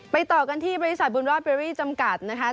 ไปต่อกันที่บริษัทบูลบราเบรี่จำกัดนะคะ